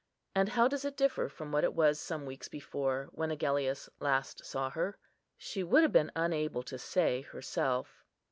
And how does it differ from what it was some weeks before, when Agellius last saw her? She would have been unable to say herself.